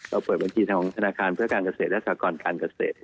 เปิดบัญชีทางธนาคารเพื่อการเกษตรและสากรการเกษตร